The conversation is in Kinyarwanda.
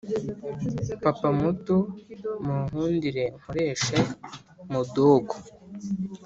papa muto munkundire nkoreshe (mudogo).